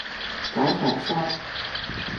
絞腸痧